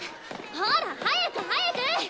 ほら早く早く！